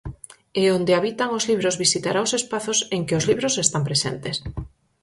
E Onde habitan os libros visitará os espazos en que os libros están presentes.